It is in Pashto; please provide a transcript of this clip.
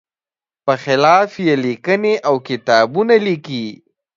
په خلاف یې لیکنې او کتابونه لیکي.